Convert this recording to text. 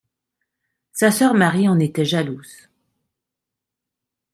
Sa sœur Marie en était jalouse.